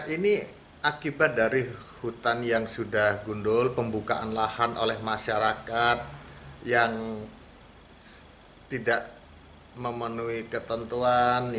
ini akibat dari hutan yang sudah gundul pembukaan lahan oleh masyarakat yang tidak memenuhi ketentuan